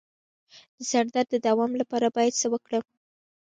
د سر درد د دوام لپاره باید څه وکړم؟